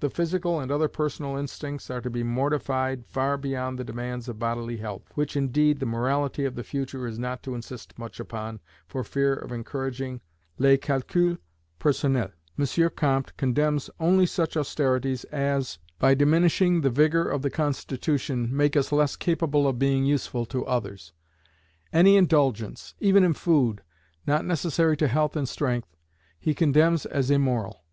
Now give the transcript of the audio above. The physical and other personal instincts are to be mortified far beyond the demands of bodily health, which indeed the morality of the future is not to insist much upon, for fear of encouraging "les calculs personnels." M. Comte condemns only such austerities as, by diminishing the vigour of the constitution, make us less capable of being useful to others. Any indulgence, even in food, not necessary to health and strength, he condemns as immoral.